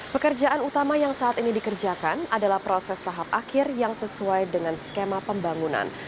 pekerjaan utama yang saat ini dikerjakan adalah proses tahap akhir yang sesuai dengan skema pembangunan